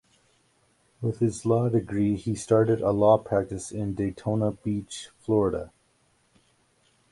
With his law degree, he started a law practice in Daytona Beach, Florida.